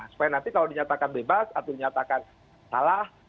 supaya nanti kalau dinyatakan bebas atau dinyatakan salah